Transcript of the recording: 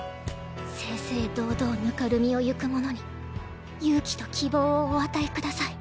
正々堂々ぬかるみを行く者に勇気と希望をお与えください。